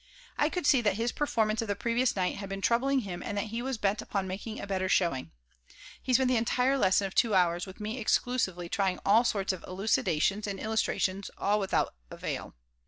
I could see that his performance of the previous night had been troubling him and that he was bent upon making a better showing. He spent the entire lesson of two hours with me exclusively, trying all sorts of elucidations and illustrations, all without avail.